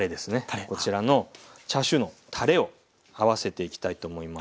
こちらのチャーシューのたれを合わせていきたいと思います。